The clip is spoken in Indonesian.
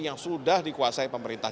yang sudah dikuasai pemerintah